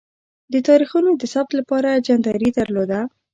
د تاریخونو د ثبت لپاره جنتري درلوده.